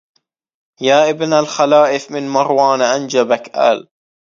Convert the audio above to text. يا ابن الخلائف من مروان أنجبك ال